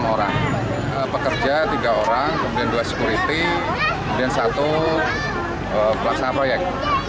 enam orang pekerja tiga orang kemudian dua security kemudian satu pelaksana proyek